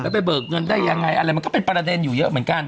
ไปเบิกเงินได้ยังไงอะไรมันก็เป็นประเด็นอยู่เยอะเหมือนกัน